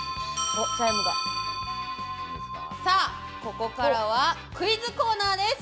ここからはクイズコーナーです。